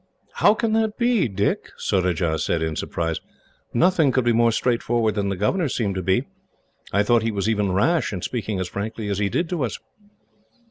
"How can that be, Dick?" Surajah said in surprise. "Nothing could be more straightforward than the governor seemed to be. I thought that he was even rash, in speaking as frankly as he did to us."